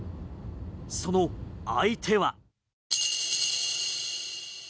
その相手は。